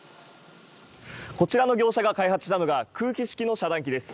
こちらの業者が開発したのが、空気式の遮断機です。